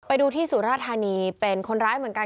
ไปดูที่สุราธานีเป็นคนร้ายเหมือนกัน